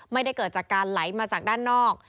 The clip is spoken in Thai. ไม่ได้เกิดจากการไหลมาจากด้านนอก